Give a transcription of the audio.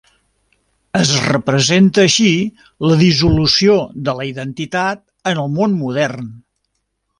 Es representa així la dissolució de la identitat en el món modern.